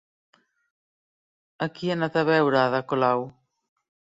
A qui ha anat a veure Ada Colau?